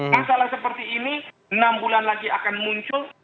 masalah seperti ini enam bulan lagi akan muncul